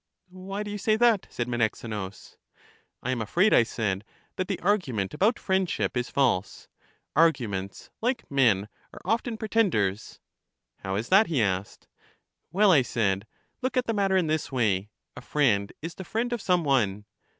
Why do you say that? said Menexenus. I am afraid, I said, that the argument about friend ship is false: arguments, like men, are often pre tenders. How is that? he asked. Well, I said; look at the matter in this way: a friend is the friend of some one.